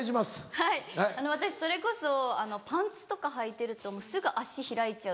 はい私それこそパンツとかはいてるともうすぐ足開いちゃう。